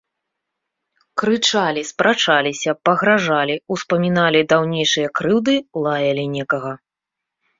Крычалі, спрачаліся, пагражалі, успаміналі даўнейшыя крыўды, лаялі некага.